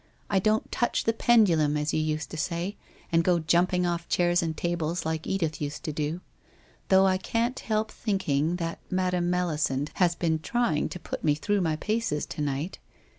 I don't touch the pendulum, as you used to say, and go jumping off chairs and tables like Edith used to do. Though I can't help thinking that Madam Melisande has been trying to put me through my paces to night.